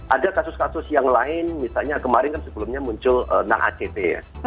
ada kasus kasus yang lain misalnya kemarin kan sebelumnya muncul nang act ya